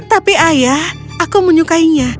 tapi ayah aku menyukainya